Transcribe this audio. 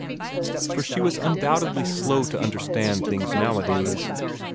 For she was undoubtedly slow to understand things nowadays.